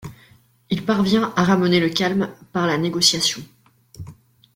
Il parvient à ramener le calme par la négociation.